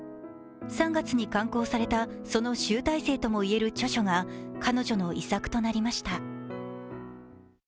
３月に刊行された、その集大成とも言える著書が彼女の遺作となりました。